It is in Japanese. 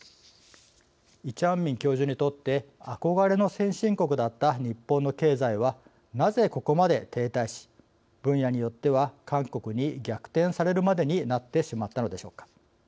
イ・チャンミン教授にとって「憧れの先進国」だった日本の経済はなぜ、ここまで停滞し分野によっては韓国に逆転されるまでになってしまったのでしょうか。